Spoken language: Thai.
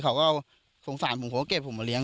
เขาก็สงสารผมเขาก็เก็บผมมาเลี้ย